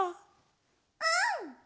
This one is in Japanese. うん！